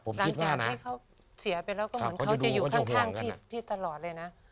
หลังจากที่เขาเสียไปแล้วก็เหมือนเขาจะอยู่ข้างพี่ตลอดเลยนะ